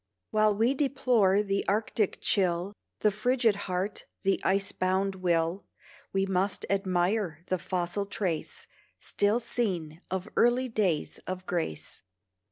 While we deplore the Arctic chill, The frigid heart, the ice bound will, We must admire the fossil trace, Still seen, of early days of grace.